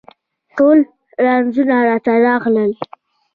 ټول رنځونه راته راغلل